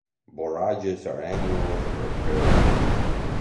Borages are annuals or perennials.